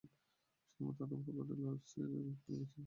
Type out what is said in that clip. শুধুমাত্র তোমার কোটেই লুইসের রক্ত লেগে ছিল।